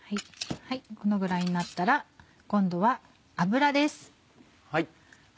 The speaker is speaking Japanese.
このぐらいになったら今度は油です。